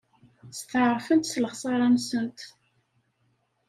Steɛṛfent s lexṣara-nsent.